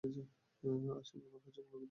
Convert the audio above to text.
আসল ব্যাপার হচ্ছে মূল্যবৃদ্ধি।